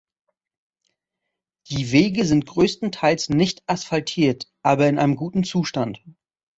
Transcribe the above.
Die Wege sind größtenteils nicht asphaltiert, aber in einem guten Zustand.